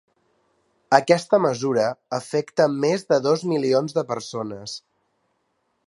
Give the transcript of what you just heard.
Aquesta mesura afecta més de dos milions de persones.